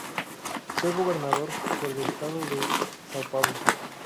Fue gobernador por el estado de São Paulo.